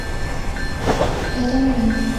河东人。